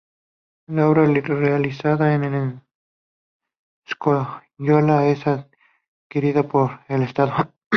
La obra, realizada en escayola, es adquirida por el Estado.